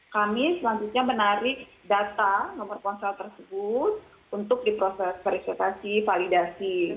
kami selanjutnya menarik data nomor ponsel tersebut untuk diproses verifikasi validasi